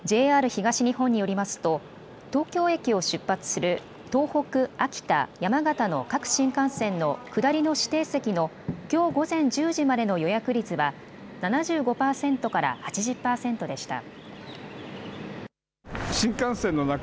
ＪＲ東日本によりますと東京駅を出発する東北・秋田・山形の各新幹線の下りの指定席のきょう午前１０時までの予約率は７５％から８０％でした。